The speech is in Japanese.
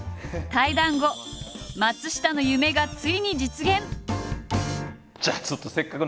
対談後松下の夢がついに実現。